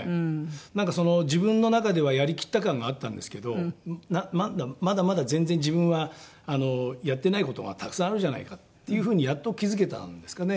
なんかその自分の中ではやりきった感があったんですけどまだまだ全然自分はやってない事がたくさんあるじゃないかっていう風にやっと気付けたんですかね。